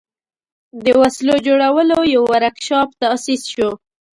د وسلو د جوړولو یو ورکشاپ تأسیس شو.